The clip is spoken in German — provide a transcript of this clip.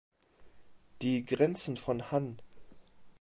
Die Grenzen von Hann.